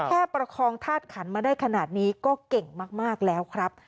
ประคองธาตุขันมาได้ขนาดนี้ก็เก่งมากแล้วครับ